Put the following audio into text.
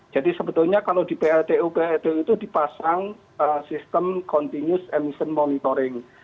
jadi sebetulnya kalau di batu batu itu dipasang sistem continuous emission monitoring